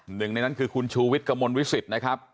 หนึ่งในนั้นคือคุณชูวิทย์กระมวลวิสิตนะครับ